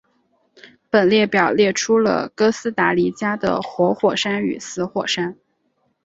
本列表列出了哥斯达黎加的活火山与死火山。